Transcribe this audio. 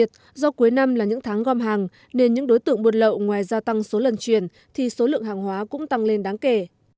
trong khi những đối tượng buôn lậu ngoài gia tăng số lần chuyển thì số lượng hàng hóa cũng tăng lên đáng kể